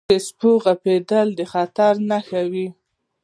• د سپو غپېدل د خطر نښه وي.